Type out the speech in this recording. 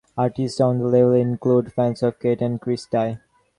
Artists on the label include Fans of Kate and Chris Tye.